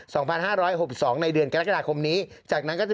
สองพันห้าร้อยหกสองในเดือนกรกฎาคมนี้จากนั้นก็จะ